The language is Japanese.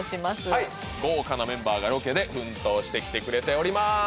はい豪華なメンバーがロケで奮闘してきてくれております